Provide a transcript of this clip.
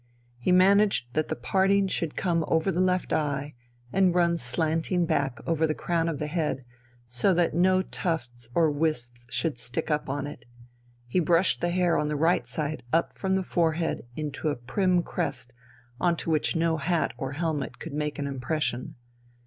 He managed that the parting should come over the left eye and run slanting back over the crown of the head, so that no tufts or wisps should stick up on it; he brushed the hair on the right side up from the forehead into a prim crest on which no hat or helmet could make an impression.